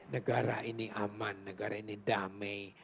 negara ini aman negara ini damai